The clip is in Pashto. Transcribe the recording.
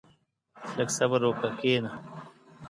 • لږ صبر وکړه، کښېنه.